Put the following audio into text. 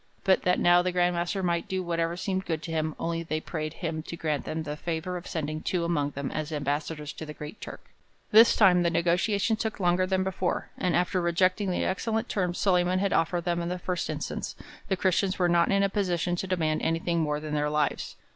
But that now the Grand Master might do whatever seemed good to him, only they prayed him to grant them the favour of sending two among them as ambassadors to the Great Turk.' This time the negotiations took longer than before, and after rejecting the excellent terms Solyman had offered them in the first instance, the Christians were not in a position to demand anything more than their lives.